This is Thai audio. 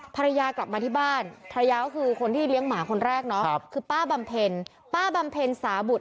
ป้าบำเพลป้าบำเพลสาบุตร